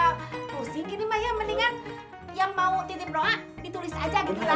aduh biar gak pusing ini mah ya mendingan yang mau titip doa ditulis aja gitu lah